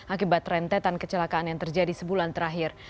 akibat rentetan kecelakaan yang terjadi sebulan terakhir